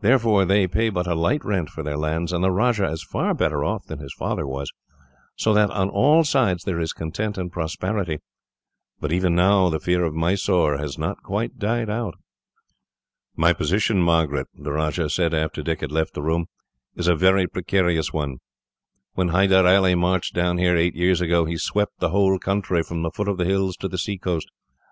Therefore, they pay but a light rent for their lands, and the Rajah is far better off than his father was; so that, on all sides, there is content and prosperity. But, even now, the fear of Mysore has not quite died out." "My position, Margaret," the Rajah said, after Dick had left the room, "is a very precarious one. When Hyder Ali marched down here, eight years ago, he swept the whole country, from the foot of the hills to the sea coast.